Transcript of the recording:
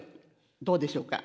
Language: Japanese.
どうでしょうか？